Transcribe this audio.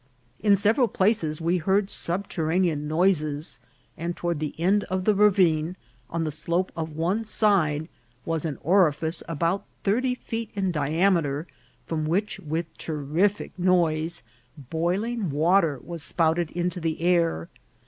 In several places we heard subterranean noises, and toward the end of the ravine, on the slope of one side, was an orifice about thirty feet in diameter, from which, with a terrific noise, boiling water was spouted into the air.